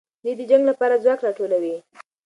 دوی د جنګ لپاره ځواک راټولوي.